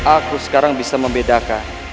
aku sekarang bisa membedakan